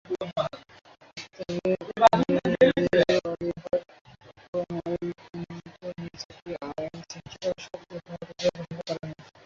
তবে general Oliver Cromwell কিন্তু নিজেকে আইন সৃষ্টি করার স্বর্গীয় ক্ষমতাধর ঘোষণা করেননি।